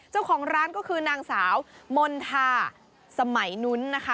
เจ้าของร้านก็คือนางสาวมณฑาสมัยนุ้นนะคะ